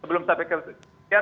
sebelum saya pikir